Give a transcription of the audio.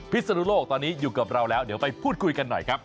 ศนุโลกตอนนี้อยู่กับเราแล้วเดี๋ยวไปพูดคุยกันหน่อยครับ